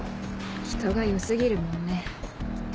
人が良過ぎるもんね。